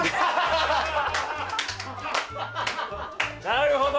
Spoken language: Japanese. なるほど。